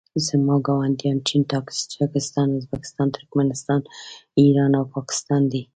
زما ګاونډیان چین تاجکستان ازبکستان ترکنستان ایران او پاکستان دي